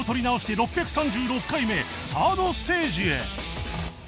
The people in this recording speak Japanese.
６３６回目サードステージへ